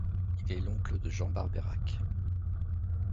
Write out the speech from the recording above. Il est l'oncle de Jean Barbeyrac.